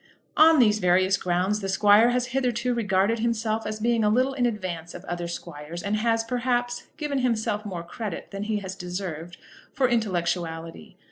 On these various grounds the squire has hitherto regarded himself as being a little in advance of other squires, and has, perhaps, given himself more credit than he has deserved for intellectuality.